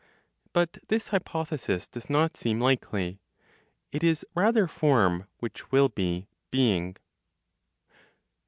But this hypothesis does not seem likely; it is rather form which will be "being."